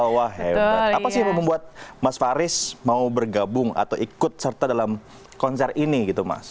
wah hebat apa sih yang membuat mas faris mau bergabung atau ikut serta dalam konser ini gitu mas